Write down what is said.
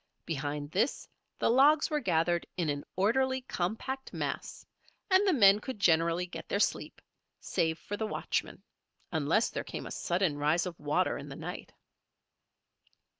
Behind this the logs were gathered in an orderly, compact mass and the men could generally get their sleep, save for the watchman; unless there came a sudden rise of water in the night.